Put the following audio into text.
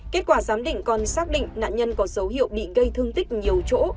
kết quả giám định còn xác định nạn nhân có dấu hiệu bị gây thương tích nhiều chỗ